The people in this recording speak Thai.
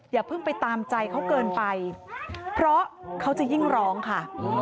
อย่าเพิ่งไปตามใจเขาเกินไปเพราะเขาจะยิ่งร้องค่ะ